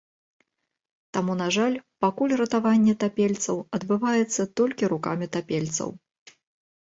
Таму, на жаль, пакуль ратаванне тапельцаў адбываецца толькі рукамі тапельцаў.